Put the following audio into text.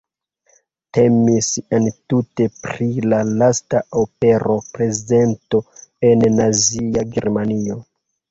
Temis entute pri la lasta opera prezento en Nazia Germanio.